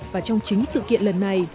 và trong chính sự kiện lần này